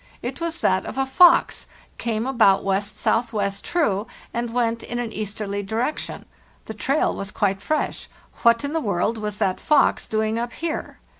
It was that of a fox, came about W.S. W. true, and went in an easterly direction. The trail was quite fresh. What in the world was that fox doing up here?